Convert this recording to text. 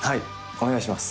お願いします。